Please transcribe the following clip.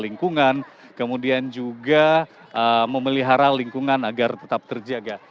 lingkungan kemudian juga memelihara lingkungan agar tetap terjaga